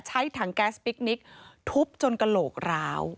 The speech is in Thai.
ใช้ถังแก๊สพิคนิคทุบจนกระโหลกร้าว